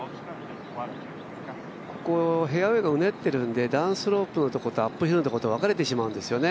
ここ、フェアウエーがうねっているので、ダウンスロープのところとアップヒルのところと分かれてしまうんですよね。